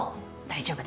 大丈夫。